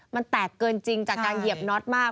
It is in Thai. มันแตกเกินจริงจากการเหยียบน็อตมาก